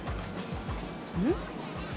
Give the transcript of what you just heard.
うん？